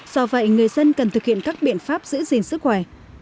do vậy người dân cần thực hiện các biện pháp giữ gìn sức khỏe